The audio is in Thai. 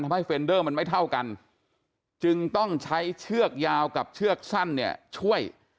ให้เฟรนเดอร์มันไม่เท่ากันจึงต้องใช้เชือกยาวกับเชือกสั้นเนี่ยช่วย